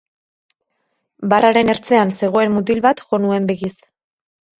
Barraren ertzean zegoen mutil bat jo nuen begiz.